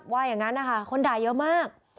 ว่าอย่างนั้นนะคะคนด่าเยอะมาก